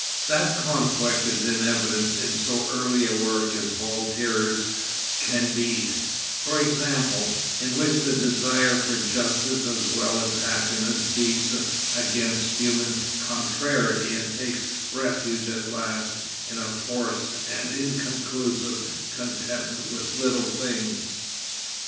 That conflict is in evidence in so early a work as Voltaire's Candide, for example, in which the desire for justice as well as happiness beats against human contrariety and takes refuge at last in a forced and inconclusive contentment with little things.